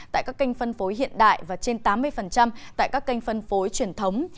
tại các kênh phân phối hiện đại và trên tám mươi tại các kênh phân phối truyền thống